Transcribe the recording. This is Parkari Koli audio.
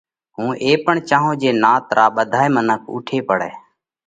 هُون اي پڻ چاهونھ جي نات را ٻڌائي منک اُوٺي پڙئہ